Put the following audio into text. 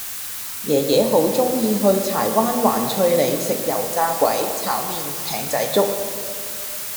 爺爺好鍾意去柴灣環翠里食油炸鬼炒麵艇仔粥